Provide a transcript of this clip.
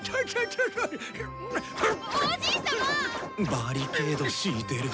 バリケードしいてる。